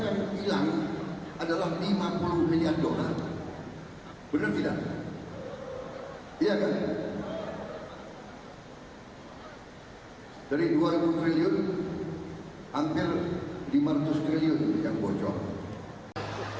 dari dua ribu triliun hampir lima ratus triliun yang bocor